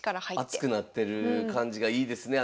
熱くなってる感じがいいですね。